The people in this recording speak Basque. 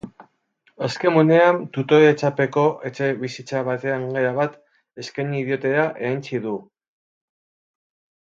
Azken unean, tutoretzapeko etxebizitza batean gela bat eskaini diotela erantsi du.